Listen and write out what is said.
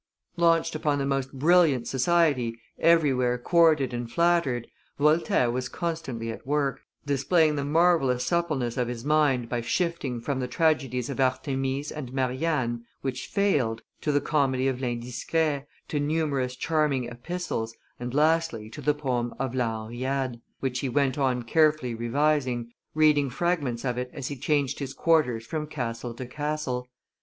Launched upon the most brilliant society, everywhere courted and flattered, Voltaire was constantly at work, displaying the marvellous suppleness of his mind by shifting from the tragedies of Artemise and Marianne, which failed, to the comedy of L'Indiscret, to numerous charming epistles, and lastly to the poem of La Henriade, which he went on carefully revising, reading fragments of it as he changed his quarters from castle to castle.